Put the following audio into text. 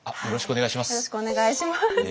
よろしくお願いします。